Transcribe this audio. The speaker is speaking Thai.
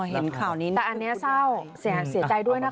เห็นข่าวนี้นะแต่อันนี้เศร้าเสียใจด้วยนะคะ